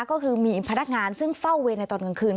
ก็คือมีพนักงานซึ่งเฝ้าเวรในตอนกลางคืน